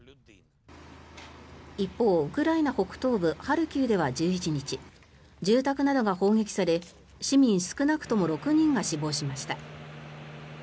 一方、ウクライナ北東部ハルキウでは１１日住宅などが砲撃され市民少なくとも６人が死亡しました。